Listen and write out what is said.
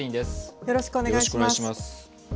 よろしくお願いします。